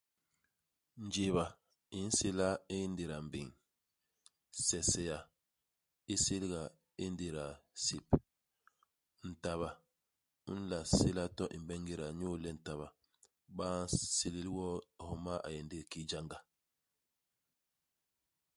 Njéba i nséla i ngéda mbéñ ; sesea i sélga i ngéda sép. Ntaba u nla séla to imbe ngéda inyu le ntaba, ba nsélél wo i homa a yé ndék kiki janga.